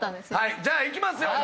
じゃあいきますよ。